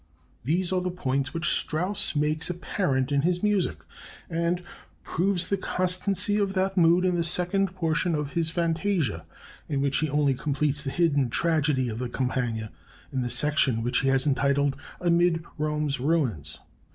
These are the points which Strauss makes apparent in his music, and proves the constancy of that mood in the second portion of his Fantasia, in which he only completes the hidden tragedy of the Campagna in the section which he has entitled ['Amid Rome's Ruins']."